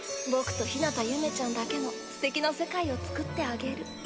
僕と日向ゆめちゃんだけのすてきな世界を作ってあげる。